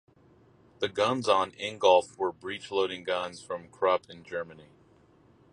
The guns on "Ingolf" were breechloading guns from Krupp in Germany.